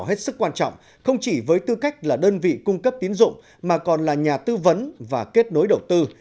hết sức quan trọng không chỉ với tư cách là đơn vị cung cấp tiến dụng mà còn là nhà tư vấn và kết nối đầu tư